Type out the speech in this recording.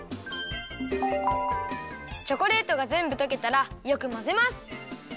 チョコレートがぜんぶとけたらよくまぜます！